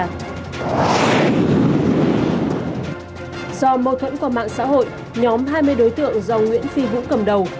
do mâu thuẫn qua mạng xã hội nhóm hai mươi đối tượng do nguyễn phi vũ cầm đầu